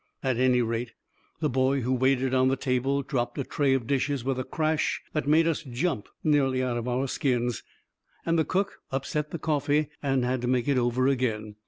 At any rate, the boy who waited on the table dropped a tray of dishes with a crash that made us jump nearly out of our skins, and the cook upset the coffee and had to make it over again.